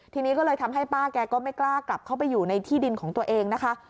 ทีนี้ก็เลยทำให้ป้าแกก็ไม่กล้ากลับเข้าไปอยู่ในที่ดินของตัวเองนะคะ